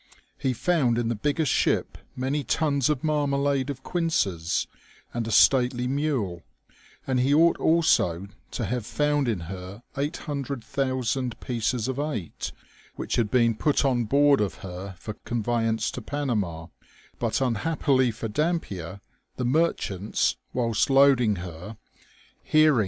He found in the biggest ship many tons of marmalade of quinces, and a stately mule, and he ought also to have found in her 800,000 pieces of eight, which had been put on board of her for conveyance to Panama ; but unhappily for Dampier, the merchants, whilst loading her, hearing 194 OLD 8H1P8.